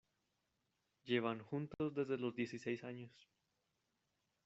Llevan juntos desde los dieciséis años.